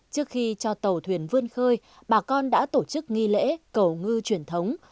trước khi cho tàu thuyền vươn khơi bà con đã tổ chức nghi lễ cầu ngư truyền thống